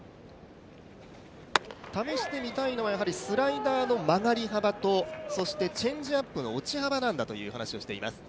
試してみたいのはスライダーの曲がり幅とそしてチェンジアップの落ち幅なんだという話をしています。